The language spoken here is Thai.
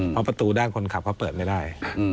เพราะประตูด้านคนขับเขาเปิดไม่ได้